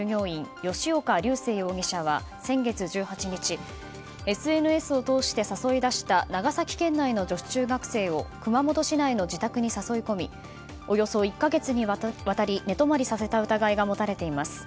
吉岡龍星容疑者は先月１８日ＳＮＳを通して誘い出した長崎県内の女子中学生を熊本市内の自宅に誘い込みおよそ１か月にわたり寝泊まりさせた疑いが持たれています。